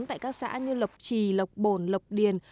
tại các xã như lộc trì lộc bồn lộc điền